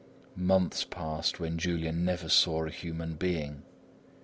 Months passed when Julian never saw a human being.